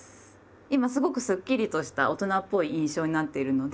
今すごくスッキリとした大人っぽい印象になっているので。